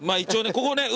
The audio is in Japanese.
ここね海。